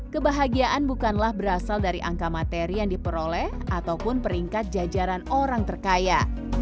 kebahagiaan bukanlah berasal dari angka materi yang diperoleh ataupun peringkat jajaran orang terkaya